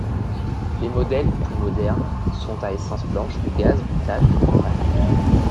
Les modèles plus modernes sont à essence blanche ou gaz butane et propane.